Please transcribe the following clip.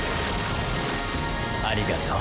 ありがとう。